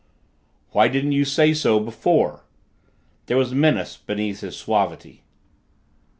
"Why didn't you say so before?" There was menace beneath his suavity.